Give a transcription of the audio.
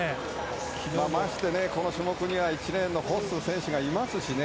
まして、この種目には１レーンのホッスー選手がいますしね。